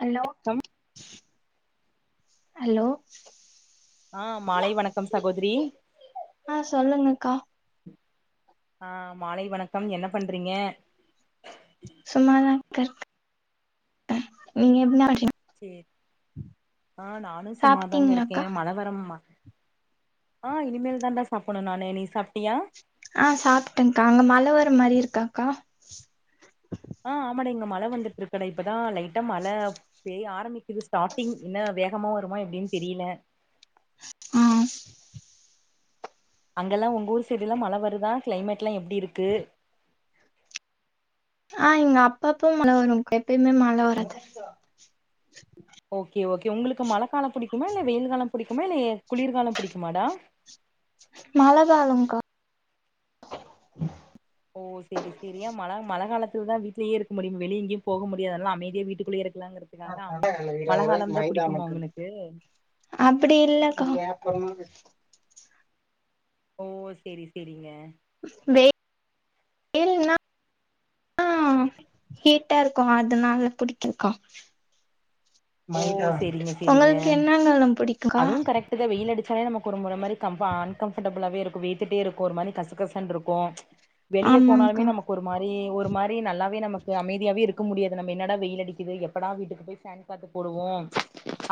hello hello அ மாலை வணக்கம் சகோதிரி அ சொல்லுங்கக்கா அ மாலை வணக்கம் என்ன பண்றீங்க சும்மாதான்க்கா இருக்க நீங்க [unintelligible] சேரி அ நானு சும்மாதாங்க இருக்கே சாப்ட்டீங்களாக்கா மழ வர மா அ இனிமேல் தான்டா சாப்பிடணு நானு நீ சாப்ப அ சாப்பிட்டேனக்கா அங்க மழ வர மாரி இருக்காக்கா அ ஆமாட இங்க மழ வந்துட்டு இருக்கடா இப்பதா லைட்டா மழ பேய்ய ஆரம்பிக்குது ஸ்டார்ட்டிங் என்ன வேகமா வருமா எப்டின்னு தெரியல அ அங்கெல்லா உங்க ஊர் சைடுலா மழ வருதா கிளைமேட்ல்லா எப்டி இருக்கு அ இங்க அப்ப அப்ப மழ வருக்கா எப்பயுமே மழ வராது ஓகே ஓகே உங்ளுக்கு மழ காலோ புடிக்குமா இல்ல வெயில் காலோ புடிக்குமா இல்ல ஏ குளிர் காலோ புடிக்குமாடா மழ காலோக்கா [inaudible] ஓ செரி செரி ஏ மழ மழ காலத்தில தா வீட்லயே இருக்க முடியு வெளி எங்கயு போக முடியாதல்ல அதனால அமைதியா வீட்டுக்குள்ளயே இருக் லங்கிறதுக்காக அமை இருவது மழ காலோதா புடிக்குமா உங்ளுக்கு அப்பிடி இல்லக்கா ஓ செரி செரிங்க வெ வெயில்னா னா ஹீட்டா இருக்கு அதுனால புடிக்குக்கா ஓ சேரிங்க சேரிங்க உங்களுக்கு என்னகாலோ புடிக்குக்கா அதுவும் கரெக்ட் [unintelligible] நமக்கு ஒரு மாரி கம் அன்கம்ஃபர்டபுளாவ இருக்கு வேத்துட்டே இருக்கு ஒரு மாரி கசகசன்னு இருக்கு வெளியே போனாலுமே ஆமாங்க்கா நமக்கு ஒரு மாரி ஒரு மாரி நல்லாவே நமக்கு அமைதியாவே இருக் க்க முடியாது நம்ம என்னடா வெயில் அடிக்குது எப்படா வீட்டுக்கு போய் ஃபேன் காத்து போடுவோ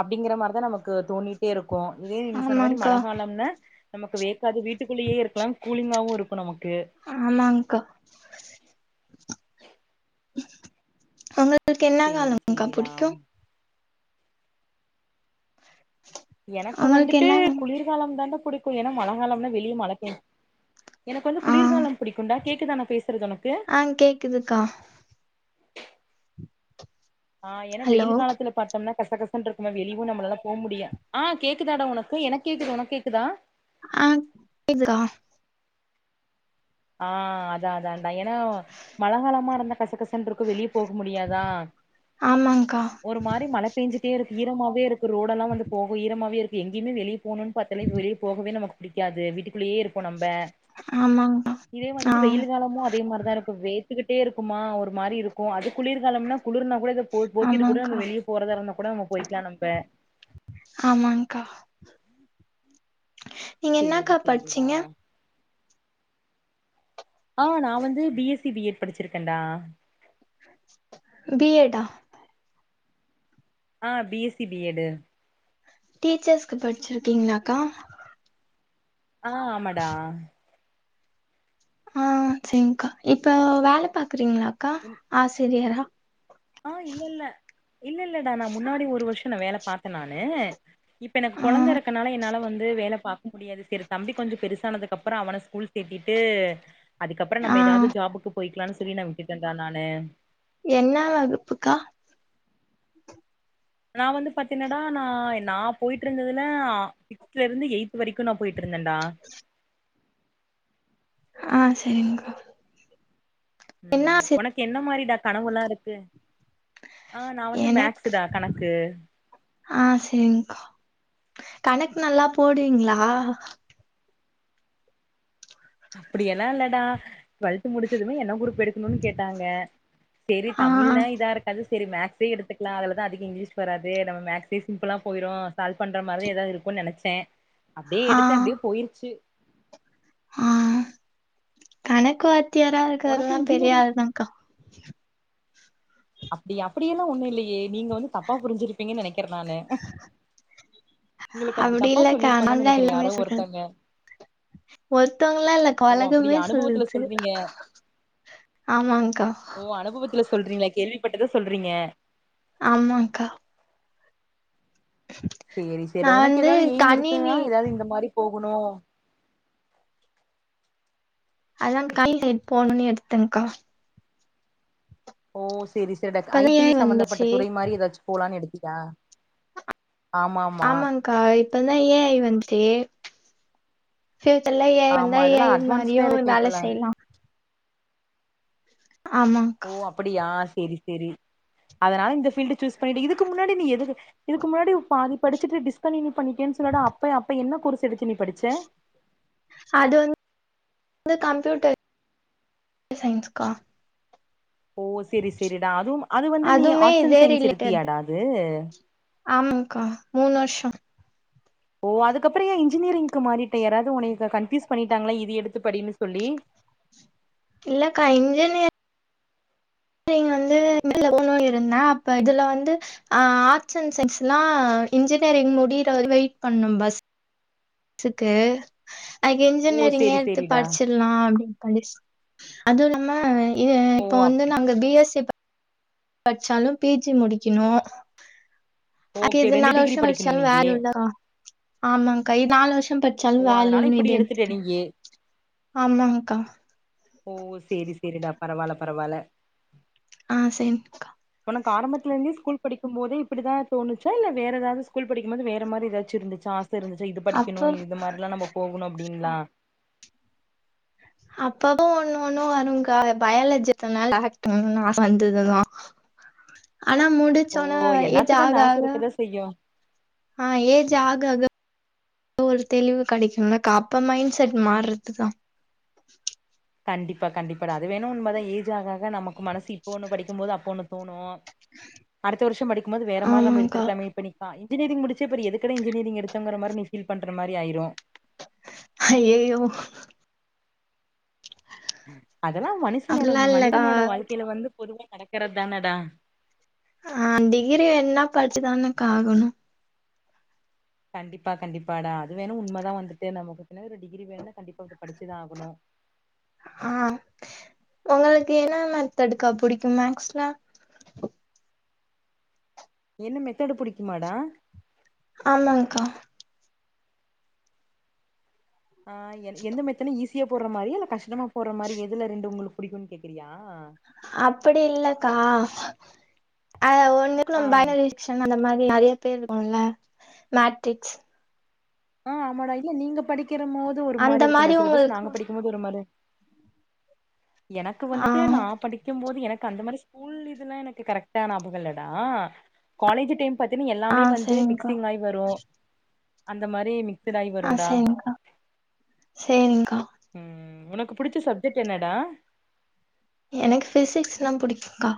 அப்டிங்கிற மாரிதா நமக்கு தோணிட்டே இருக்கு க்கு இதே நீங்க சொன்ன மாரி மழ ஆமாங்க்கா காலோம்னா நமக்கு வேக் காது வீட்டுக்குள்ளேயே இருக்கலா கூலிங்காவு இருக்கு நமக்கு ஆமாங்க்கா ஒங்களுக்கு என்னா சேரி காலம் கா சேரிடா புடிக்கு எனக்கு உங்களுக்கு வந்துட்டு என்ன குளிர்காலம் தான்டா புடிக்கு ஏனா மழகாலம்னா வெளியே மழபேஞ் எனக்கு வந்து ஆ குளிர்காலம் புடிக்கும் டா கேக்குதா நா பேசு ஆ கேக்குதுக்கா ஆ ஏன்னா ஹலோ வெயில் காலத்துல பாத்தோம்னா கசகசன் இருக்குமா வெளிவும் நம்மளால போ முடியு ஆ கேக்குதாடா உனக்கு எனக்கு கேக்குது உனக் கேக்குதா ஆ கேக்துக்கா ஆ அதா அதான்டா ஏனா மழ காலமா இருந்தா கசக்கச சன் இருக்கு வெளியே போக முடியாதா ஆமாங்க்கா ஒரு மாரி மழ பேஞ்சுட்டே இருக் ஈரமாவே இருக் ரோடெல்லா வந்து போக ஈரமாவே இருக்கு எங்கயுமே வெளிய போணுன் பாத்தாலே வெளிய போகவே நமக்கு பிடிக்காது வீட்டுகுள்ளேயே இரு ப்போ நம்ப ஆமாங்க்கா இதே ஆ வந்துட்டு வெயில் காலமும் அதே மாரிதான் இருக்கு வே த்துக்கிட்டே இருக்குமா ஒரு மாரி இருக்கு அது குளிர்காலம்னா குளிர்னா கூட எதோ போ போத்திட்டு கூட ஆமாங்க்கா நம்ம வெளிய போறதா இருந்தா கூட நம்ம போய்க்கலா நம்ப ஆமாங்கா நீங்க சேரி என்னக்கா சேரிடா படிச்சீங்க ஆ நா வந்து B S C B Ed படிச்சிருக்கேன்டா பி எட் ஆ ஆ B S C B Ed டீச்சர்ஸ்க்கு படிச்சிருக்கீங்களாக்கா ஆ ஆமாடா ஆ சரிங்கா இப்ப வேல பாக்குறீங்களாக்கா ஆசிரியரா ஆ இல்ல இல்ல இல்ல இல்லடா நா முன்னாடி ஒரு வருஷொ நா வேல பாத்தே நானு இப்ப எனக்கு ஆ கொழந்தை இருக்கனால என்னால வந் து வேல பாக்க முடியாது செரி தம்பி கொஞ்ச பெருசானதுக்குப்புற அவன ஸ்கூல் சேத்திட்டு அதுக்கப்புறொ ஆ நம்ம ஏதாவது ஜாபுக்கு போய்க்கலானு சொல்லி நா விட்டுட்டண்டா நானு என்ன வகுப்புக்கா நா வந்து பாத்தீன்னடா நா நா போயிட்டு இருந்ததுல ஆ சிக்ஸ்த்ல இருந்து எய்த் வரைக்கு நா போயிட்டு இருந்தேன்டா ஆ சரிங்க்கா என்ன ம் ஆசி உனக்கு என்ன மாரிடா கனவுல்லா இருக்கு ஆ நா வந்து எனக்கு மேக்ஸ்டா கணக்கு ஆ செரிங்க்கா கணக்கு நல்லா போடுவீங்களா அப்டி எல்லா இல்லடா டுவெல்த் முடிச்சதுமே என்ன குரூப் எடுக்கணும்னு கேட்டாங்க சேரி ஆ தமிழ்னா இதா இருக்காது சேரி மேக்ஸ் ஸே எடுத்துக்கலா அதுலதா அதிக இங்கிலிஷ் வராது நம்ம மேக்ஸே சிம்பிளா போயிரு சால்வ் பண்ற மாரி ஏதாவது இருக்கும்ன்னு நனச்சே அப்டியே ஆ எடுத்தே அப்டியே போயிருச்சு ஆ கணக்கு வாத்தியாரா உனக்கு இருக்றதல்லா பெரிய இன்ஜினியரிங் ஆள்தான்க்கா அப்டியா அப்டியெல்லா ஒண்ணு இல்லையே நீங்க வந்து தப்பா புரிஞ்சிருப்பீங்கன் நனக்கிறேன் நானு உங்களுக்கு அப்டி தப்பா இல்லக்கா சொல்லிருப்பாங்கன்னு அதனால நெனைக்கிறே எல்லாமே யாரோ சொல்றது ஒருத்தங்க ஒருத்தவங்களா இல்லக்கா ஓ உலகமே அப்டியா அனுபவத்துல சொல்லுது சொல்றீங்க ஆமாங் கா ல்ல சொல்றீங்களா கேள்விப்பட்டத சொல்றீங்க ஆமாங் கா சேரி சேரி நா ஒனக்கு வந்து ஏதாவது எய்ம் இருக்குனா கணினி ஏதாவது இந்த மாரி போ கனூ அதாங்க [unintelligible] போணும்னு எடுத்தேன்கா ஓ சேரி சேரிடா ஐ இப்பதா ஏ டி சம்பந்தப்பட்ட வந்துச்சு துறை மாரி ஏதாச்சு போலான்னு எடு த்தியா ஆமாங் கா இப்பதான் ஏ ஐ வந்துட்டே ஃபியூச்சர்ல்ல ஏ ஐ ஆமா வந்தா ஏ இதெல்லா ஐ மாரியு அட்வான்ஸ்டா இருக்கு வேல இப்பெல்லா செய்லான் ஆமாங்க்கா ஓ அப்படியா சேரி சேரி அதனால இந்த ஃபீல்டு சூஸ் பண்ணிட்ட இதுக்கு முன்னாடி நீ எதுக் இதுக்கு முன்னாடி பாதி படிச்சிட்டு டிஸ்கண்னியூ பண்ணிட்டியான் சொல்லுடா அப்ப அப்ப என்ன கோர்ஸ் எடுத்து நீ படிச்ச அது வந்து கம்ப்யூட்டர் சயின்ஸ்கா ஓ செரி செரிடா அதுவும் அது வந்து நீ அதுமே ஆட்ஸ் அண் இதே சயின்ஸ் ரிலேட்டட் எடுத்தியாடா அது ஆமாங்க்கா மூண் வர்ஷோ ஓ அதுக்கப்றோ ஏன் இன்ஜினியரிங்க்கு மாறிட்ட யாராவது உன்னைய கன்ஃப்யூஸ் பண்ணிட்டாங்ளா இது எடுத்து படினு சொல்லி இல்லக்கா இன்ஜினியர் நீங்க வந்து [unintelligible] இருந்தே அப்ப இதுல வந்து ஆ ஆட்ஸ் அண் சயின்ஸ்ல்லா இன்ஜினியரிங் முடி ட்டு அவர் வெய்ட் பண்ணு பஸ் க்கு அதுக்கு ஓ இன்ஜினியரிங்கே சேரி எடுத்து சேரிடா படிச்சில்லா அப்டினு படிச் அதுவுல்லாம இது ஓ இப்ப அப் வந்து நாங்க பி எஸ் சி பட்ச்சாலு பி ஜி முடிக்கணு அக்கா ஓகே இது ரெண்டு நாலு டிகிரி வர்ஷோ படிக்கணு படிச்சாலு நீயி வேல்யு இல்லதா ஆமாங்க்கா இது நாலு வர்ஷோ என்ன பச்சாலு ஓ அதனால வேல்யூனு இப்படி இதே எடுத்துட்ட எத்துக்லா நீயி ஆமாங்காகா ஓ சேரி சேரிடா பரவால பரவால ஆ சேம்க்கா உனக்கு ஆரம்பத்லருந்தே ஸ்கூல் படிக்கும்போதே இப்டிதா தோனுச்சா இல்ல வேற எதாவது ஸ்கூல் படிக்கும்போது வேற மாரி எதாச்சு இருந்துச்சா இருந்துச்சா இது படிக்கணு அப்போ இது மாறில்லா நம்ம போகணு அப்டின்லா அப்பப்ப ஒன்னு ஒன்னு வருங்க்கா பயாலஜி எத்தனால [unintelligible] ஆச வந்துதுதா ஆனா ஓ முடிச்சொன்ன ஏஜ் எல்லாத்துக்கு ஆக அந்த ஆச ஆக இருக்கதா செய்யு ஆஹ் ஏஜ் ஆக ஆக ஒரு தெளிவு கெடைக்கும்ல்லக்கா அப்ப மைண்செட் மார்றதுதா கண்டிப்பா கண்டிப்பாடா அது வேணு உண்மதா ஏஜ் ஆக ஆக நமக்கு மனசு இப்ப ஒன்னு படிக்கூ போது அப்ப ஒன்னு தோணு அடுத்த வர்ஷோ படிக்கும்போது வேற மாறி நம்ம ஆமாங்க்கா எடுத்திருக்கலாமே இப்ப நீ பா இன்ஜினியரிங் முடிச்சி இப்ப எதுக்குடா இன்ஜினியரிங் எடுத்தோங்குற மாறி நீ ஃபீல் பண்ற மாறி ஆயிரு ஹய்யயோ அதெல்லா மனுஷனோட அப்டிலா இல்லக்கா மனிதனோட வாழ்க்கைல வந்து பொதுவா நடக்கிறதானடா ஆ டிகிரி வேன்னா படிச்சுதானக்கா ஆகணு கண்டிப்பா கண்டிப்பாடா அது வேணு உண்மதா வந்துட்டு நமக் பின்னாடி ஒரு டிகிரி வேணுனா கண்டிப்பா படிச்சுதா ஆகணு ஆ உங்களுக்கு என்ன மெத்தேடுக்கா புடிக்கு மேக்ஸ்ல என்ன மெத்தேடு புடிக்குமாடா ஆமாங்க்கா ஆ எந்த மெத்தென்ன ஈஸியா போட்ற மாறியா இல்ல கஷ்டமா போட்ற மாறி எதுல ரெண்டு உங்ளுக்கு புடிக்குனு கேக்குறியா அப்டி இல்லக்கா அதுல ஒன்னுக்கூ ஆ நம்ம பய்னரேஷன் அந்த மாறி நெறய பேர் இருக்குல்ல மேட்ரிக்ஸ் ஆ ஆமாடா இல்ல நீங்க படிக்கிறம்மோது ஒரு அந்த மாறி இருக்குண்டா மாரி சிலபஸ் உங்களுக்கு நாங்க படிக்கும்போது ஒரு மாறி எனக்கு ஆ வந்துட்டு நா படிக்கும்போது எனக் கு அந்த மாறி ஸ்கூல் இதுல்லா எனக்கு கரெக்டா ஞாபகோ இல்லடா காலேஜ் டைம் பாத்தீனா ஆ எல்லாமே வந்து சரிங்க்கா மிக்சிங் ஆய் வரு இந்த மாரி மிக்சடாயி ஆ வருண்டா சரிங்க்கா சரிங்க்கா ம் உனக்கு புடிச்ச சப்ஜெக்ட் என்னடா எனக்கு பிசிக்ஸ்லா புடிக்குங்க்கா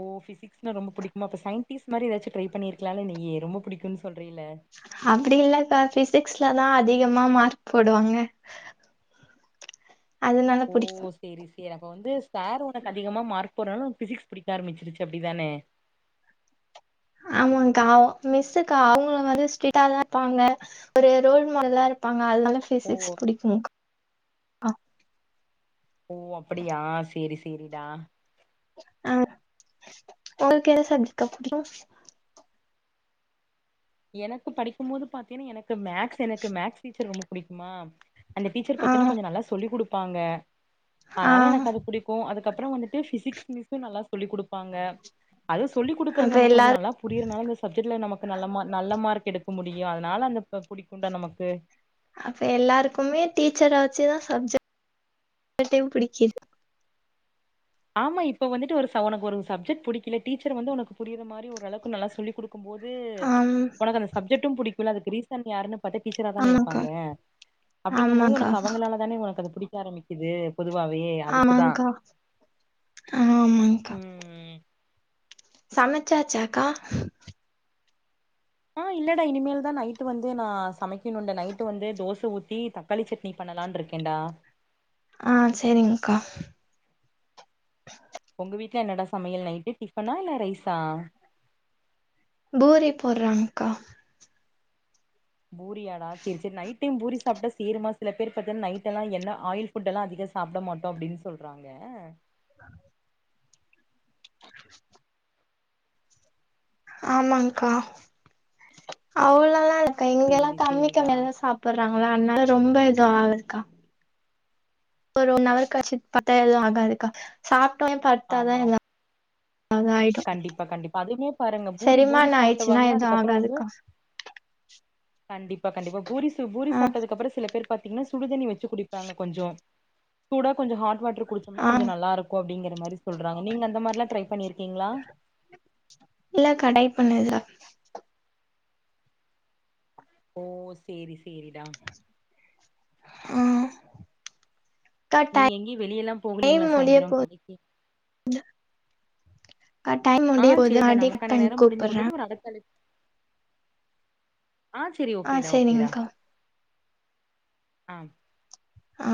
ஓ பிசிக்ஸ்னா ரொம்ப பிடிக்குமோ அப்ப சயின்டிஸ் மாறி எதாச்சு ட்ரை பண்ணிர்க்லால நீயி ரொம்ப புடிக்குனு சொ அப்டி இல்லக்கா பிசிக்ஸ்லதா அதிகமா மார்க் போடுவாங்க அதுனால புடிக்கு எனக்கு வந்து சார் உனக்கு அதிகமா மார்க் போறனால உனக்கு பிசிக்ஸ் புடிக்க ஆரம்பிச்சிருச்சு அப்டிதான ஆமாக்கா அ மிஸ்க்கா அவுங்க வந்து ஸ்ட்ரீட்டாதா இருப்பாங்க ஒரு ரோல் மாடலா இருப்பா அ அதனால ஓ ஃபிசிக்ஸ் புடிக்குங்க் ஆ ஓ அப்டியா சேரி சேரிடா அ ஒங்களுக்கெந்த சப்ஜக்ட்க்கா புடிக்கு எனக்கு படிக்கும் போது பாத்தீனா எனக்கு மேக்ஸ் எனக்கு மேக்ஸ் டீச்சர் ரொம்ப புடிக்குமா அந்த டீச்சர் ஆ பாத்தினா கொஞ்ச நல்லா சொல்லி குடுப்பாங்க ஆ அதால எனக்கு அது புடிக்கு அதுக்கப்பற வந்துட்டு ஃபிசிக்ஸ் மிஸ்ஸு நல்லா சொல்லி் குடுப்பாங்க அது சொல்லி குடுக்குறது அப்ப நமக்கு கொஞ்ச எல்லாரு நல்லா புரியறனால அந்த சப்ஜெக்ட்ல நமக் இப்ப நல்ல மா நல்ல மார்க் எடுக்க முடியு அதனால அந்த ப புடிக்குன்டா நமக்கு அப்ப எல்லாருக்குமே டீச்சர வச்சுதா சப்ஜெக்ட் டயு பிடிக்குது ஆமா இப்ப வந்துட்டு ஒரு ச ஒனக்கு ஒரு சப்ஜெக்ட் புடிக்கல டீச்சர் வந்து ஒனக்கு புரியுரமாரி அப்டி ஓரளவுக்கு நல்லா சொல்லிக் குடுக்கும் போது ஆம் ஒனக்கு அந்த சப்ஜெக்ட்டு புடிக்குல அதுக்கு ரீசன் யாருன்னு பாத்தா டீச்சரா தானே ஆமாக்கா இருப்பாங்க அப்டிங்கமோது ஆமாக்கா ஒனக்கு அவங்களால தானே ஒனக்கு அது புடிக்க ஆரம்மிக்குது பொதுவாவே அதுக்குதா ஆமாங்க்கா ம் சமச்சாச்சாக்கா ஆ இல்லடா இனிமேல் தா நைட்டுவந்து நா சமைக்கணுடா நைட்டு வந்து தோச ஊத் த்தி தக்காளி சட்னி பண்ணலான்ருக்கேன்டா ஆ சேரிங்க்கா ஒங்க வீட்ல என்னடா சமையல் நைட்டு டிஃபனா இல்ல ரைஸா பூரி போட்றாங்கக்கா பூரியாடா சேரி சேரி நைட் டைம் பூரி சாப்ட்டா சேருமா சில பேரு பாத்தீனா நைட்டெல்லா எண்ண ஆயில் புட்டெல்லா அதிக அ சாப்ட மாட்டோ அப்டின் சொல்றாங்க [inaudible] [unintelligible] ஆமாங்க்கா அவ்ளலால்ல க்கா இங்கெல்லா சேரி கம்மி சேரிடா கம்மியாதா சாப்பிட்றாங்களா அதுனால ரொம்ப எது ஆகாதுக்கா ஒரு ஒன்னவரு கழிச்சி படுத்தா எது ஆகாதுக்கா சாப்ட்டோனே படுத்தாதா ஆமாம் எல்லா அவ்ங்க ஆயிடு கண்டிப்பா கண்டிப்பா அதுவுமே பாருங்க பூரி பூரி செரிமான ஆய்ர்ச்சுனா சாப்ட்டவங்க எது அதுக்கப்புறோ வந்து ஆகாதுக்கா [inaudible] கண்டிப்பா கண்டிப்பா பூரி சுட் பூரி ஆ சாப்ட்டதுக்கப்பற சில பேரு பாத்தீங்னா சுடுதண்ணி வச்சு குடிப்பாங்க கொஞ்ச சூடா கொஞ்ச ஹாட் வாட்ரு குடிச்சம்னா ஆ கொஞ்ச நல்லாருக்கு அப்டிங்கிற மாரி சொல்றாங்க நீங்க அந்த மார்லா ட்ரை பண்ணிருக்கீங்ளா இல்லக்கா டைப் பண்ணுதுல ஓ சேரி சேரிடா ஆ அக்கா நீங்க எங்கயு வெளியெல்லா போகலைங்ளா டைம் முடிய சாய்ந்தர போது கடைக்கு அக்கா டைம் ஆ முடிய போது சேரிடா மறுபடி கட் நமக்கான பண்ணி நேரம் முடிந்து கூப்புட்றே விட்டது ஒரு அடுத்த அழைப் ஆ செரி ஆ ஓகேடா ஓகேடா செரிங்க்கா ஆ ஆ